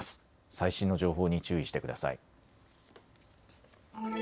最新の情報に注意してください。